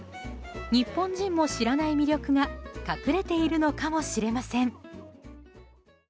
日本人も知らない魅力が隠れているのかもしれません。